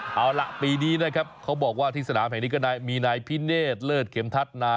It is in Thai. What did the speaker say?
เอาล่ะปีนี้นะครับเขาบอกว่าที่สนามแห่งนี้ก็มีนายพิเนธเลิศเข็มทัศน์